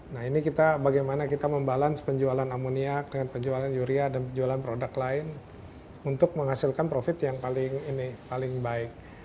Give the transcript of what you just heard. nah ini bagaimana kita membalance penjualan amoniak dengan penjualan yuria dan penjualan produk lain untuk menghasilkan profit yang paling baik